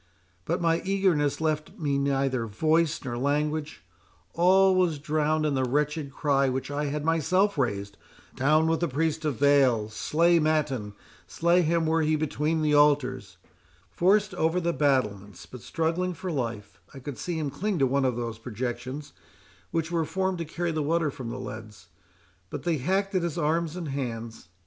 —But my eagerness left me neither voice nor language—all was drowned in the wretched cry which I had myself raised—Down with the priest of Baal! Slay Mattan— slay him were he between the altars!—Forced over the battlements, but struggling for life, I could see him cling to one of those projections which were formed to carry the water from the leads, but they hacked at his arms and hands.